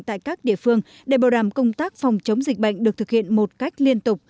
tại các địa phương để bảo đảm công tác phòng chống dịch bệnh được thực hiện một cách liên tục